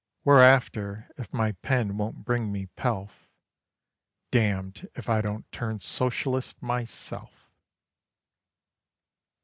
Whereafter, if my pen won't bring me pelf, Damned if I don't turn Socialist myself!